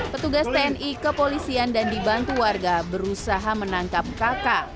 petugas tni kepolisian dan dibantu warga berusaha menangkap kakak